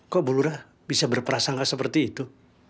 kok bulurah bisa berprasangka seperti itu